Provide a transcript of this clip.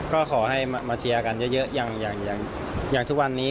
ก็ขอให้มาเชียร์กันเยอะอย่างทุกวันนี้